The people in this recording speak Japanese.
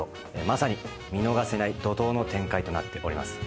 まさに見逃せない怒濤の展開となっております。